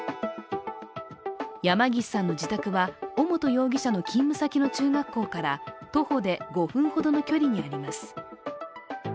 山岸さんの自宅は尾本容疑者の勤務先の中学校から徒歩で５分ほどの距離にあります。